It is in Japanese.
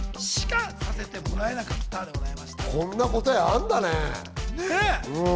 こんな答えあるんだね。